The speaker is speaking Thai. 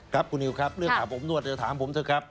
ครับคุณนิวครับเรื่องอาบอบนวดเดี๋ยวถามผมเถอะครับ